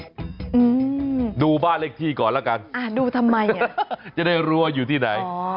อืมดูบ้านเลขที่ก่อนแล้วกันอ่าดูทำไมอ่ะจะได้รู้ว่าอยู่ที่ไหนอ๋อ